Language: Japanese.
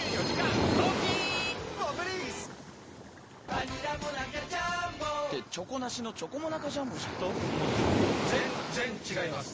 バニラモナカジャーンボって「チョコなしのチョコモナカジャンボ」じゃんと思ってるあなた．．．ぜんっぜんっ違います